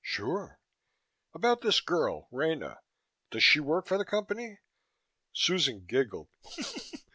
"Sure." "About this girl, Rena. Does she work for the Company?" Susan giggled.